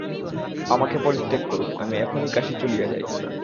আমাকে পরিত্যাগ করুন, আমি এখনই কাশী চলিয়া যাই।